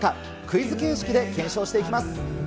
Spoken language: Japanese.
クイズ形式で検証していきます。